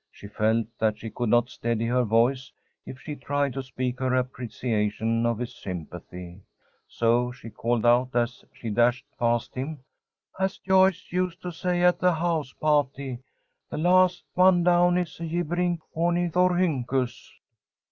She felt that she could not steady her voice if she tried to speak her appreciation of his sympathy. So she called out, as she dashed past him: "As Joyce used to say at the house pah'ty, 'the last one down is a jibbering Ornithorhynchus!'"